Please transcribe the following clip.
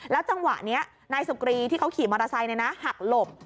แล้วจังหวะนี้นายสุกวีที่เขาขี่มอเตอร์ไซต์ในนั้นนะหักหลบ